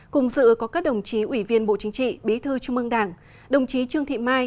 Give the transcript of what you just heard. cùng dự có các đồng chí ủy viên bộ chính trị bí thư trung ương đảng đồng chí trương thị mai